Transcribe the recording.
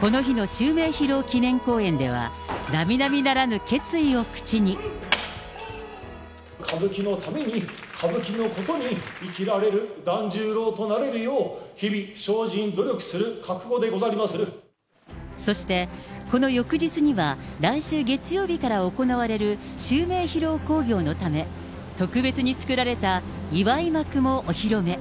この日の襲名披露記念公演では、歌舞伎のために、歌舞伎のことに生きられる團十郎となれるよう、日々精進、そして、この翌日には、来週月曜日から行われる襲名披露興行のため、特別に作られた祝幕もお披露目。